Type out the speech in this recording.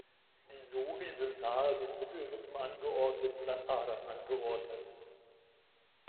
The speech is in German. Die Sori sind nahe den Mittelrippen angeordnet Blattadern angeordnet.